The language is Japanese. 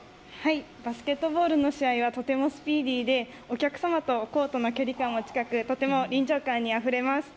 バスケットボールの試合はとてもスピーディーでお客様とコートの距離感が近くとても臨場感にあふれます。